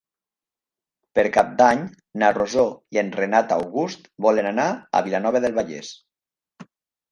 Per Cap d'Any na Rosó i en Renat August volen anar a Vilanova del Vallès.